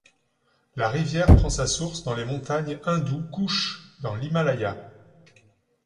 La rivière prend sa source dans les montagnes Hindou Kouch, dans l'Himalaya.